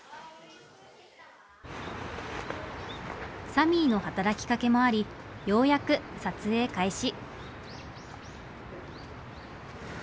サミーの働きかけもありようやく撮影開始。